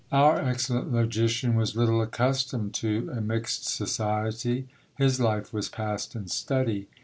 '" Our excellent logician was little accustomed to a mixed society: his life was passed in study.